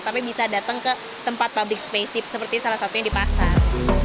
tapi bisa datang ke tempat public space ship seperti salah satunya di pasar